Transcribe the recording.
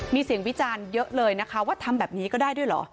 มีเสียงวิจารณ์เยอะเลยนะคะว่าทำแบบนี้ก็ได้ด้วยเหรอ